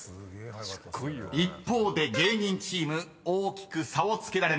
［一方で芸人チーム大きく差をつけられました］